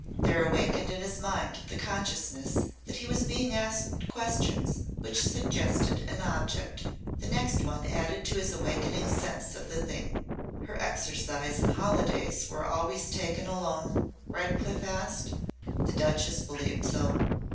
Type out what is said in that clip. There awakened in his mind the consciousness that he was being asked questions which suggested an object. The next one added to his awakening sense of the thing. "Her exercise and holidays were always taken alone?" Redcliff said. "The Duchess believed so."